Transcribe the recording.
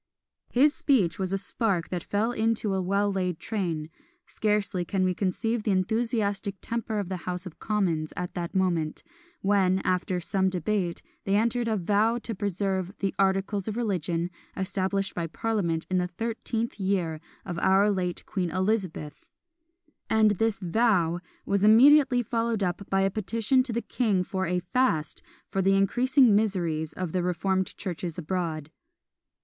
His speech was a spark that fell into a well laid train; scarcely can we conceive the enthusiastic temper of the House of Commons at that moment, when, after some debate, they entered into a vow to preserve "the articles of religion established by parliament in the thirteenth year of our late Queen Elizabeth!" and this vow was immediately followed up by a petition to the king for a fast for the increasing miseries of the reformed churches abroad.